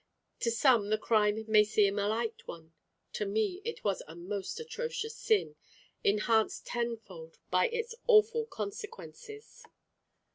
To some the crime may seem a light one, to me it is a most atrocious sin, enhanced tenfold by its awful consequences.